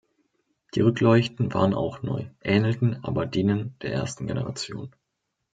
Die Rückleuchten waren auch neu, ähnelten aber denen der ersten Generation.